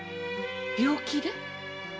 病気で？